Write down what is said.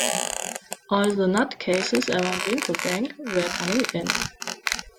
All the nutcases around Wincobank were coming in.